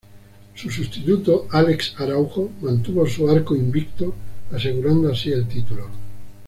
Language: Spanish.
Su sustituto, Alex Araujo, mantuvo su arco invicto asegurando así el título.